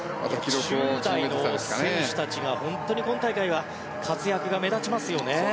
１０代の選手たちが本当に、今大会活躍が目立ちますよね。